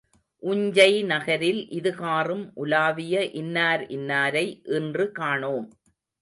உஞ்சை நகரில் இது காறும் உலாவிய இன்னார் இன்னாரை இன்று காணோம்.